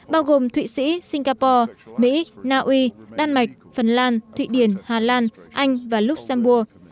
bao gồm thụy sĩ singapore mỹ naui đan mạch phần lan thụy điển hà lan anh và luxembourg